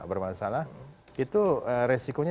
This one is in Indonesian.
bermasalah itu resikonya